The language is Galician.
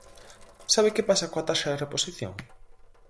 ¿Sabe que pasa coa taxa de reposición?